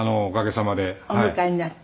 お迎えになって。